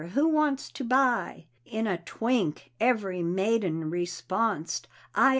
Who wants to buy?" In a twink, every maiden responsed, "I I!"